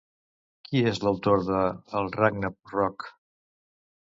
Qui és l'autor de el Ragna Røkkr?